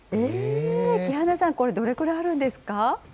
木花さん、これ、どのくらいあるんですか？